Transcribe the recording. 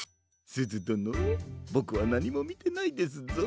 すずどのボクはなにもみてないですぞ。